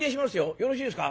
よろしいですか？